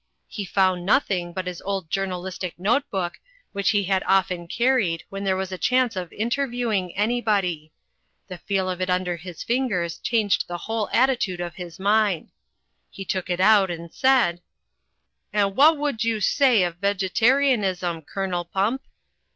He found nothing but his old journalistic note book, which he often car ried when there was a chance of interviewing anybody. The feel of it imder his fingers changed the whole at titude of his mind. He took it out and said: "And wha' would you say of Vegetarianism, Colonel Pump?"